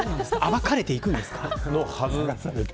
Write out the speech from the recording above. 暴かれていくんですか。